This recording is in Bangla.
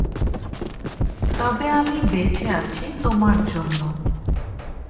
তবে আমি বেঁচে আছি তোমার জন্য।